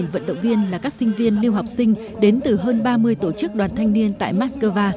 hai vận động viên là các sinh viên lưu học sinh đến từ hơn ba mươi tổ chức đoàn thanh niên tại moscow